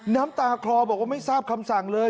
น้ำตาคลอบอกว่าไม่ทราบคำสั่งเลย